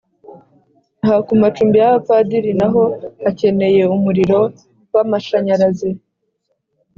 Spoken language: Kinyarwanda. aha ku macumbi y’abapadiri naho hakeneye umuriro w’amashanyarazi